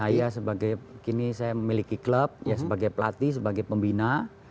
saya sebagai kini saya memiliki klub ya sebagai pelatih sebagai pembina